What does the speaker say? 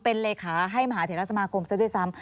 เป็นเลขาให้มหาเทราสมาคมซะด้วยซ้ำ